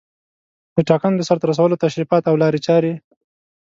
د ټاکنو د سرته رسولو تشریفات او لارې چارې